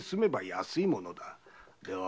では